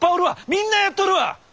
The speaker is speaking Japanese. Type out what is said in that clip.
みんなやっとるわ！